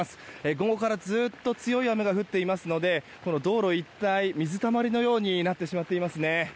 午後からずっと強い雨が降っていますので道路一帯水たまりのようになってしまっていますね。